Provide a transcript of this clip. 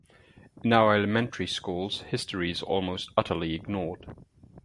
In our elementary schools, history is almost utterly ignored.